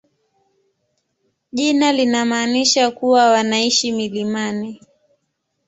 Jina linamaanisha kuwa wanaishi milimani.